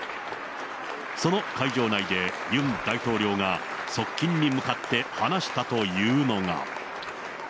その会場内でユン大統領が側近に向かって話したというのが。